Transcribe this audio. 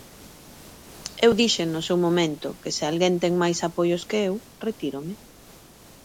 Eu dixen no seu momento que se alguén ten máis apoios que eu, retírome.